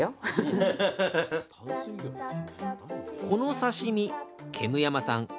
この刺身煙山さん